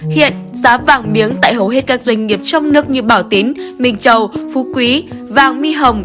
hiện giá vàng miếng tại hầu hết các doanh nghiệp trong nước như bảo tín minh châu phú quý vàng mi hồng